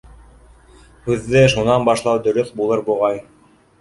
Һүҙҙе шунан башлау дөрөҫ булыр буғай.